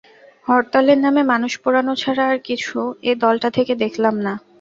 হরতালের নামে মানুষ পোড়ানো ছাড়া আর কিছু এ দলটা থেকে দেখলাম না।